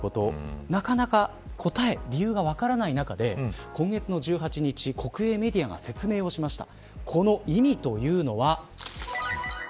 なかなか理由が分からない中で今月１８日、国営メディアが説明をしました。